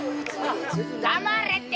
黙れって！